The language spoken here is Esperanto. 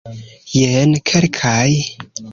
Jen kelkaj.